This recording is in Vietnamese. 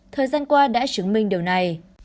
thời gian qua đã chứng minh điều này